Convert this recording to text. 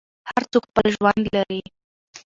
هر څوک خپل ژوند لري.